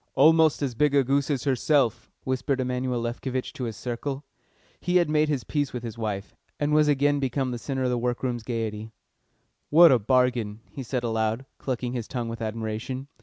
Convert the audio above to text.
"Almost as big a goose as herself!" whispered Emanuel Lefkovitch to his circle. He had made his peace with his wife, and was again become the centre of the work room's gaiety. "What a bargain!" he said aloud, clucking his tongue with admiration.